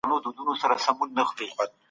تاسي باید د نورو درناوی وکړئ.